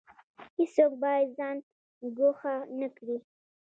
هیڅوک باید ځان ګوښه نکړي